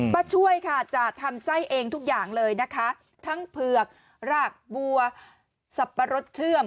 ช่วยค่ะจะทำไส้เองทุกอย่างเลยนะคะทั้งเผือกรากบัวสับปะรดเชื่อม